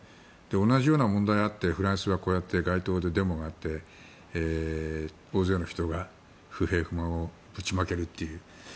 同じような問題があってフランスはこうやって街頭でデモがあって大勢の人が不平不満をぶちまけるという。